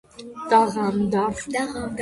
დაღამდა.